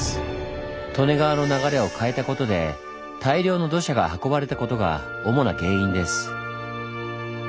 利根川の流れを変えたことで大量の土砂が運ばれたことが主な原因です。